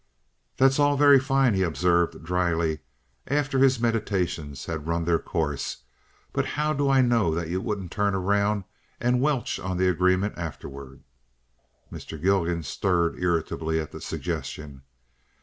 "That's all very fine," he observed, dryly, after his meditations had run their course; "but how do I know that you wouldn't turn around and 'welch' on the agreement afterward?" (Mr. Gilgan stirred irritably at the suggestion.)